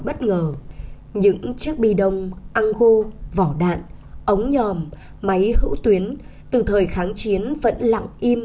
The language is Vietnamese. bất ngờ những chiếc bi đông ăn hô vỏ đạn ống nhòm máy hữu tuyến từ thời kháng chiến vẫn lặng im